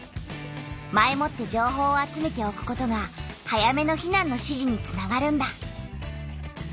前もって情報を集めておくことが早めの避難の指示につながるんだ。